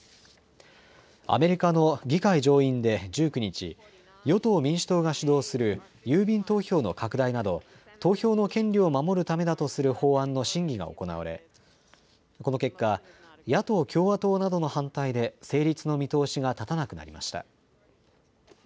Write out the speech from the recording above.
アメリカの議会上院で１９日、与党・民主党が主導する、郵便投票の拡大など、投票の権利を守るためだとする法案の審議が行われ、この結果、野党・共和党などの反対で、成立の見通しが立たなくなりました。